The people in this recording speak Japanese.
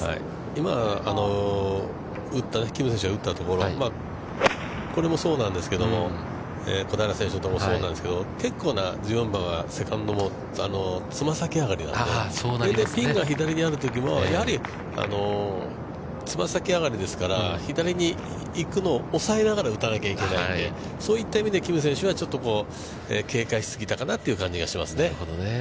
今、キム選手が打ったところ、これもそうなんですけれども小平選手もそうなんですけど、結構な１４番はセカンドもつま先上がりなんで、大体ピンが左にあるときは、やはり、つま先上がりですから、左に行くのを抑えながら打たないといけないので、そういった意味で、キム選手はちょっと警戒し過ぎたかなという感じがしますね。